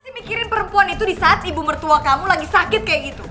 mikirin perempuan itu disaat ibu mertua kamu lagi sakit kayak gitu